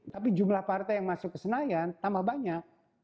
tapi jumlah partai yang masuk ke senayan tambah banyak